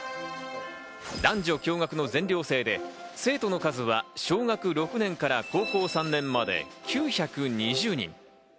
男女共学の全寮制で、生徒の数は小学６年から高校３年まで９２０人。